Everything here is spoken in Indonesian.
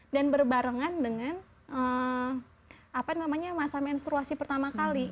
dan berbarengan dengan masa menstruasi pertama kali